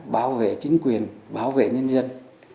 bảo vệ chính quyền bảo vệ nhân dân